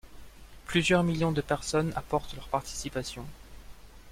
Plusieurs millions de personnes apportent leur participation.